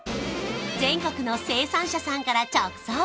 全国の生産者さんから直送！